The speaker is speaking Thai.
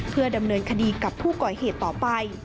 เพื่อดำเนินคดีกับผู้ก่อเหตุต่อไป